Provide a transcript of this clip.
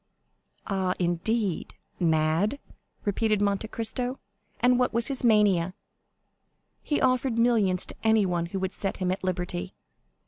"Ah, indeed?—mad!" repeated Monte Cristo; "and what was his mania?" "He offered millions to anyone who would set him at liberty."